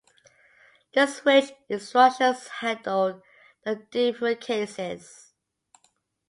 The "switch" instructions handle the different cases.